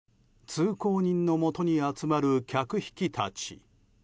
通行人のもとに集まる客引きたち。